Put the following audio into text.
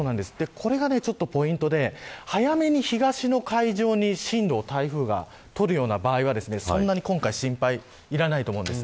これがポイントで早めに東の海上に進路を台風が取るような場合は今回はそんなに心配いらないと思います。